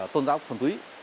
tôn giáo thuần túy